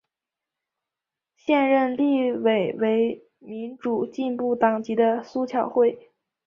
现任立委为民主进步党籍的苏巧慧。